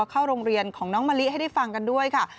เข้าโรงเรียนของน้องมะลิให้ได้ฟังกันด้วยค่ะ